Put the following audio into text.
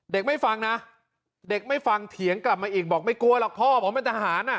ไม่ฟังนะเด็กไม่ฟังเถียงกลับมาอีกบอกไม่กลัวหรอกพ่อผมเป็นทหาร